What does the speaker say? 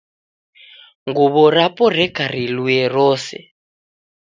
Nguw'o rapo reka rilue rose.